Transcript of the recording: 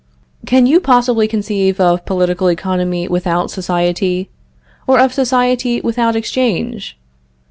Can you possibly conceive of political economy without society? Or of society without exchange?